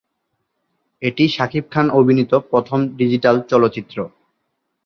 এটি শাকিব খান অভিনীত প্রথম ডিজিটাল চলচ্চিত্র।